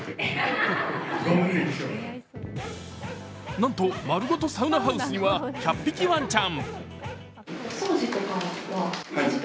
なんと丸ごとサウナハウスには１００匹ワンちゃん。